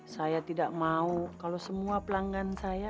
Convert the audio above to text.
saya tidak mau kalau semua pelanggan saya